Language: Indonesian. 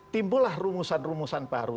timbulah rumusan rumusan baru